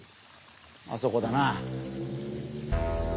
あそこだな。